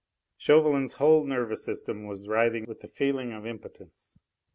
Chauvelin's whole nervous system was writhing with the feeling of impotence.